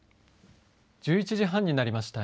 １１時半になりました。